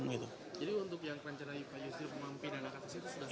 jadi untuk yang pencerai pak yusri pemampin anak atas itu sudah